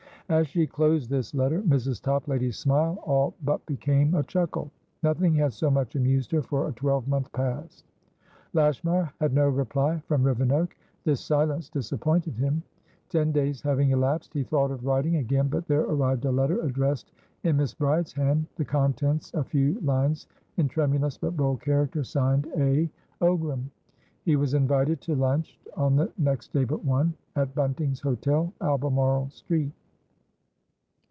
As she closed this letter, Mrs. Toplady's smile all but became a chuckle. Nothing had so much amused her for a twelvemonth past. Lashmar had no reply from Rivenoak. This silence disappointed him. Ten days having elapsed, he thought of writing again, but there arrived a letter addressed in Miss Bride's hand, the contents a few lines in tremulous but bold character, signed "A. Ogram." He was invited to lunch, on the next day but one, at Bunting's Hotel, Albemarle Street.